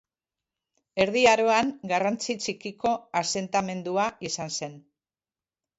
Erdi Aroan garrantzi txikiko asentamendua izan zen.